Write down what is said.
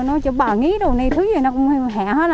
nói cho bà nghĩ đồ này thứ gì nó cũng hẹo hết